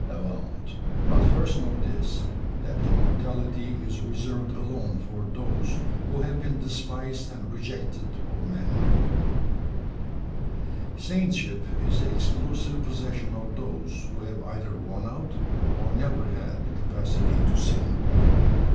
Avaunt! but first know this, that immortality is reserved alone for those who have been despised and rejected of men. Saintship is the exclusive possession of those who have either worn out, or never had, the capacity to sin.